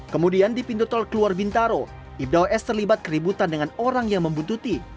kemudian di pintu tol keluar bintaro ibda os terlibat keributan dengan orang yang membuntuti